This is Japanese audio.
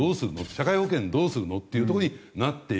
社会保険どうするの？っていうところになっていく。